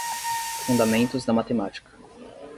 Fundamentos da matemática.